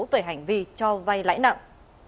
về hành vi cho vay lãi nặng